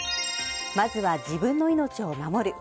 まずは自分の命を守る。